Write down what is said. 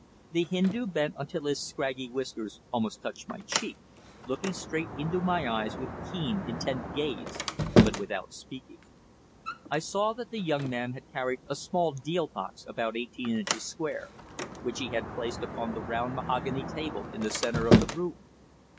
The Hindu bent until his scraggy whiskers almost touched my cheek, looking straight into my eyes with keen, intent gaze, but without speaking. I saw that the young man had carried a small deal box about eighteen inches square, which he had placed upon the round mahogany table in the centre of the room.